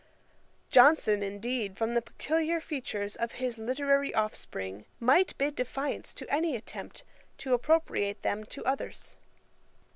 Johnson, indeed, from the peculiar features of his literary offspring, might bid defiance to any attempt to appropriate them to others.